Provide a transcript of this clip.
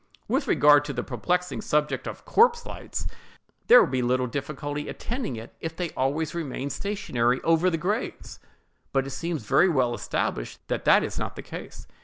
With regard to the perplexing subject of corpse lights, there would be little difficulty attending it if they always remained stationary over the graves; but it seems very well established that that is not the case.